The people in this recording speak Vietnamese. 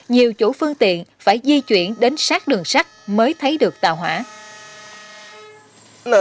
nhiều chủ phương tiện phải di chuyển đến sát đường sắt mới thấy được tàu hỏa